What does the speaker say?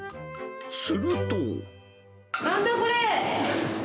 すると。